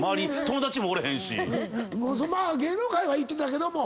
まあ芸能界は行ってたけども。